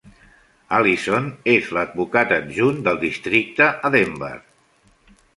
Alison és l'advocat adjunt del districte a Denver.